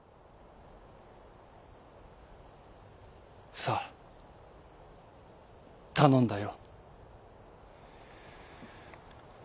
「さあたのんだよ」。